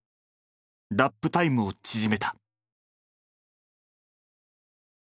ラップタイムを縮めた。